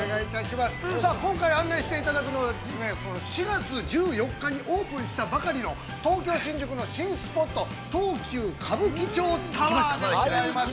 今回案内していただくのは４月１４日にオープンしたばかりの東京新宿の新スポット東急歌舞伎町タワーでございます。